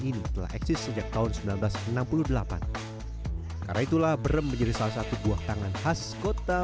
ini telah eksis sejak tahun seribu sembilan ratus enam puluh delapan karena itulah berem menjadi salah satu buah tangan khas kota